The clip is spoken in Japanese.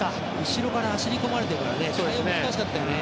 後ろから走り込まれてるからね対応が難しかったね。